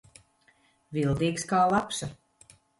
Viltīgs kā lapsa.